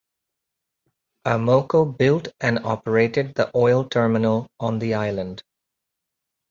Amoco built and operated the oil terminal on the island.